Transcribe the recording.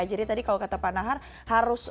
jadi tadi kalau kata pak nahar harus